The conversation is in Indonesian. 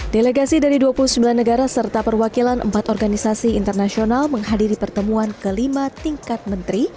delegasi dari dua puluh sembilan negara serta perwakilan empat organisasi internasional menghadiri pertemuan kelima tingkat menteri